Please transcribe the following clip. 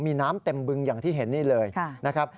มีน้ำเต็มบึงอย่างที่เห็นนี่เลยนะครับ